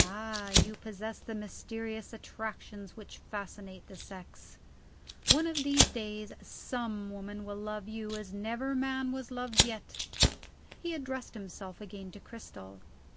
Ah, you possess the mysterious attractions which fascinate the sex. One of these days, some woman will love you as never man was loved yet." He addressed himself again to Cristel.